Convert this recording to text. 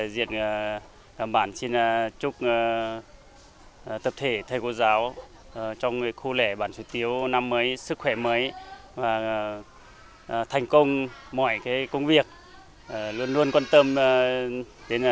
và đảm bảo công tác chăm sóc giáo dục trẻ